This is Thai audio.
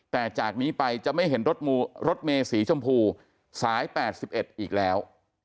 แต่จากนี้ไปจะไม่เห็นรถเมสีชมพูสาย๘๑อีกแล้ว